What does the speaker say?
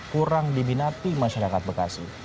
kurang diminati masyarakat bekasi